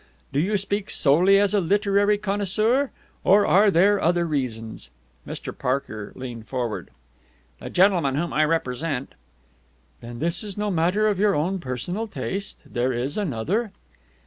Do you speak solely as a literary connoisseur? Or are there other reasons?" Mr. Parker leaned forward. "The gentleman whom I represent " "Then this is no matter of your own personal taste? There is another?"